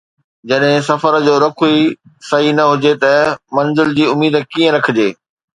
جڏهن سفر جو رخ ئي صحيح نه هجي ته منزل جي اميد ڪيئن رکجي؟